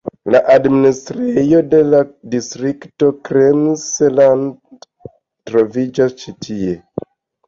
La administrejo de la distrikto Krems-Land troviĝas ankaŭ ĉi tie.